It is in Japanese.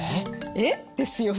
「えっ？」ですよね。